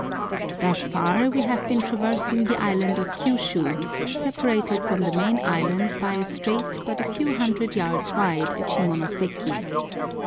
Thus far we have been traversing the island of Kiu shiu, separated from the main island by a strait but a few hundred yards wide at Shimonoseki.